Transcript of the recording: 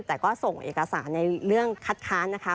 แต่ก็ส่งเอกสารในเรื่องคัดค้านนะคะ